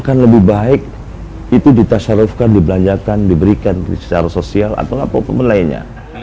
akar lebih baik itu ditasyarufkan dibelanjakan diberikan secara sosial atau bagaimana lainnya